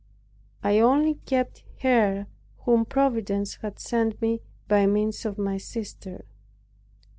I only kept her whom Providence had sent me by means of my sister.